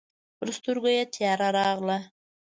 پر سترګو يې تياره راغله.